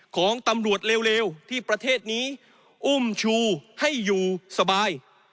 ของตำรวจเร็วที่ประเทศนี้อุ้มชูให้อยู่สบาย